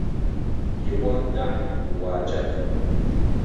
Игъо нахь, игъуаджэп.